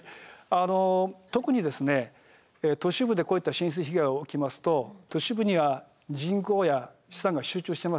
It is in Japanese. あの特に都市部でこういった浸水被害が起きますと都市部には人口や資産が集中してますよね。